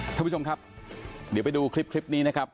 ท่านผู้ชมครับเดี๋ยวไปดูคลิปนี้นะครับ